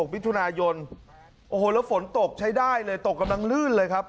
มิถุนายนโอ้โหแล้วฝนตกใช้ได้เลยตกกำลังลื่นเลยครับ